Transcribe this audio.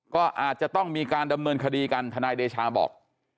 ก็อาจจะต้องมีการดำเนินคดีกันทนายเดชาบอก